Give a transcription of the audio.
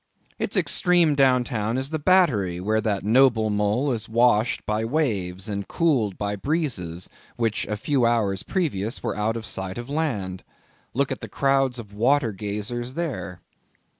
Its extreme downtown is the battery, where that noble mole is washed by waves, and cooled by breezes, which a few hours previous were out of sight of land. Look at the crowds of water gazers there.